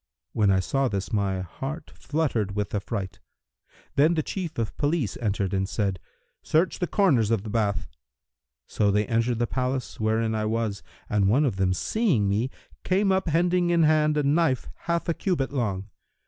When I saw this, my heart fluttered with affright. Then the Chief of Police entered and said, 'Search the corners of the bath.' So they entered the place wherein I was, and one of them seeing me, came up hending in hand a knife half a cubit long.